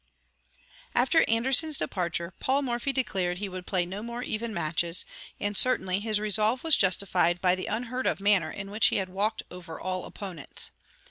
After Anderssen's departure, Paul Morphy declared he would play no more even matches, and, certainly, his resolve was justified by the unheard of manner in which he had walked over all opponents.